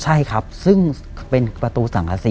ใช่ครับซึ่งเป็นประตูสังกษี